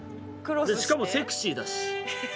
しかもセクシーだし。